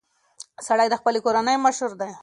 سړی د خپلې کورنۍ مشر دی.